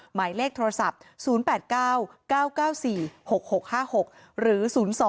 หมายเลขโทรศัพท์๐๘๙๙๙๔๖๖๕๖หรือ๐๒